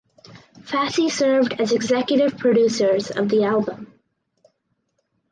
Fassie served as executive producers of the album.